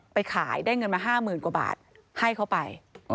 ไปขายได้เงินมา๕๐๐๐กว่าบาทให้เขาไป